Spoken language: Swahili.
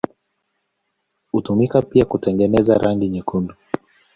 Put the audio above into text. Hutumika pia kwa kutengeneza rangi nyekundu.